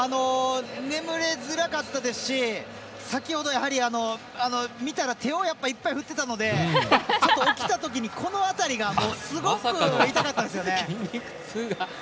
眠りづらかったですし先ほど見たら手をいっぱい振っていたので起きたときにこの辺りがすごく痛かったですね。